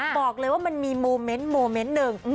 บอกเลยว่ามันมีโมเมนต์เนื้อ